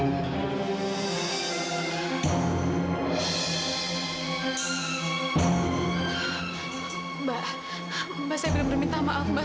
mbak saya belum berminta maaf mbak